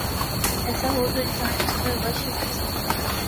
ایسا ہو تو انسان اس پہ غش ہی کھا سکتا ہے۔